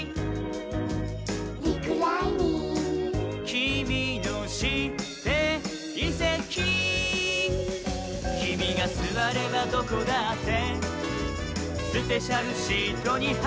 「きみのしていせき」「きみがすわればどこだってスペシャルシートにはやがわり」